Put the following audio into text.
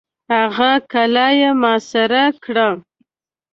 هغه قلا یې محاصره کړه.